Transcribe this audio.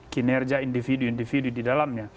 kinerja individu individu di dalamnya